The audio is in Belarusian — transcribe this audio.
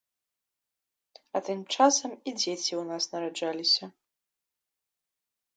А тым часам і дзеці ў нас нараджаліся.